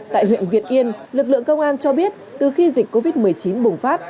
tại huyện việt yên lực lượng công an cho biết từ khi dịch covid một mươi chín bùng phát